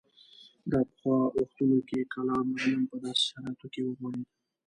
د پخوا وختونو کې کلام علم په داسې شرایطو کې وغوړېد.